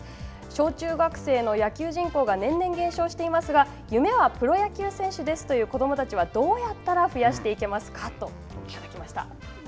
小中学生の野球人口が年々減少していますが、夢はプロ野球選手ですという子どもたちはどうやったら増やしていけますかといただきました。